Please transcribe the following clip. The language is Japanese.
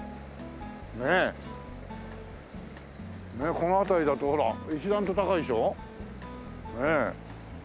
この辺りだとほら一段と高いでしょ？ねえ。